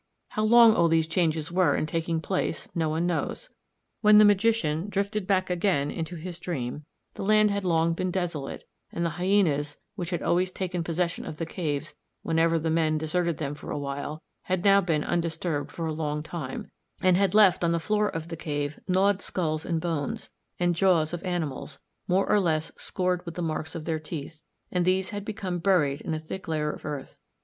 How long all these changes were in taking place no one knows. When the magician drifted back again into his dream the land had long been desolate, and the hyænas, which had always taken possession of the caves whenever the men deserted them for awhile, had now been undisturbed for a long time, and had left on the floor of the cave gnawed skulls and bones, and jaws of animals, more or less scored with the marks of their teeth, and these had become buried in a thick layer of earth.